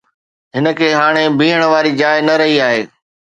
هن کي هاڻي بيهڻ واري جاءِ نه رهي آهي